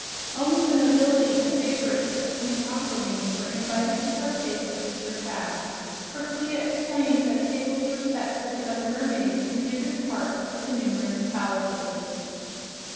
Only the nobility and favorites of Queen Aquareine were invited to partake of this repast, for Clia explained that tables were set for the other mermaids in different parts of the numerous palaces.